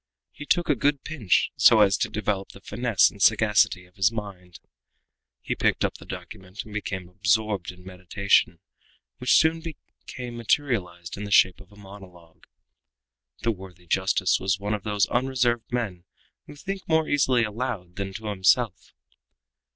He took a good pinch so as to develop the finesse and sagacity of his mind. He picked up the document and became absorbed in meditation, which soon became materialized in the shape of a monologue. The worthy justice was one of those unreserved men who think more easily aloud than to himself.